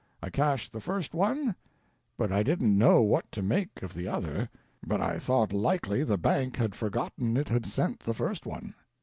I cashed the first one, but I didn't know what to make of the other, but I thought likely the bank had forgotten it had sent the first one.